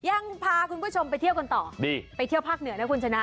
ยังพาคุณผู้ชมไปเที่ยวกันต่อดีไปเที่ยวภาคเหนือนะคุณชนะ